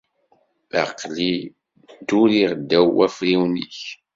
Aql-i dduriɣ ddaw wafriwen-ik.